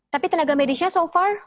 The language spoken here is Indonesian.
tapi tenaga medisnya so far